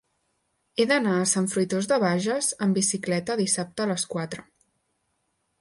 He d'anar a Sant Fruitós de Bages amb bicicleta dissabte a les quatre.